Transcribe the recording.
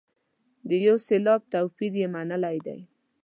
د یو سېلاب توپیر یې منلی دی.